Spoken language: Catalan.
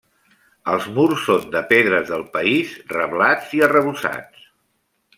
Els murs són de pedres del país, reblats i arrebossats.